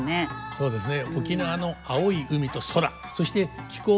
そうですね。